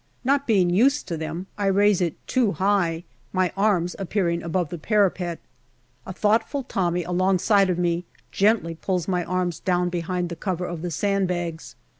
Not being used to them, I raise it too high, my arms appearing above the parapet. A thoughtful Tommy alongside of me gently pulls my arms down behind the cover of the sand bags.